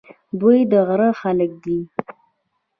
دوی د غره خلک دي.